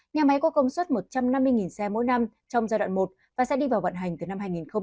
nhà máy có công suất một trăm năm mươi xe mỗi năm trong giai đoạn một và sẽ đi vào vận hành từ năm hai nghìn hai mươi